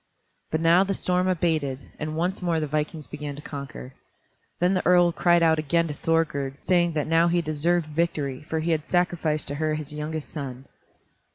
But now the storm abated, and once more the vikings began to conquer. Then the earl cried again to Thorgerd, saying that now he deserved victory, for he had sacrificed to her his youngest son.